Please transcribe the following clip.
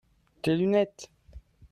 tes lunettes.